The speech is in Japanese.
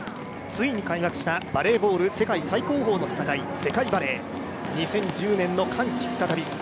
ついに開幕したバレーボール世界最高峰の戦い、世界バレー、２０１０年の歓喜再び。